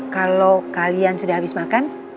kalau kalian sudah habis makan